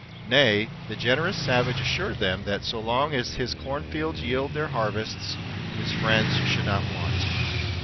Nay, the generous savage assured them that, so long as his cornfields yielded their harvests, his friends should not want.